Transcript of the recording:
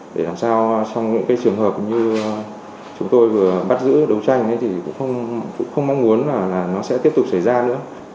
để làm sao trong những cái trường hợp như chúng tôi vừa bắt giữ đấu tranh thì cũng không mong muốn là nó sẽ tiếp tục xảy ra nữa